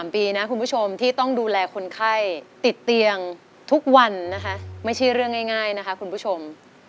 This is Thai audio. ปีนะคุณผู้ชมที่ต้องดูแลคนไข้ติดเตียงทุกวันนะคะไม่ใช่เรื่องง่ายนะคะคุณผู้ชม